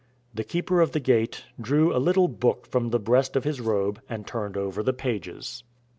The Keeper of the Gate drew a little book from the breast of his robe and turned over the pages.